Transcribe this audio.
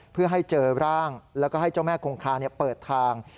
เพื่อให้เจอร่างแล้วก็ให้เจ้าแม่คงคาเปิดทาง